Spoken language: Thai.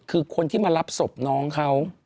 คือคนที่มารับศพน้องเขา